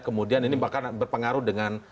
kemudian ini bahkan berpengaruh dengan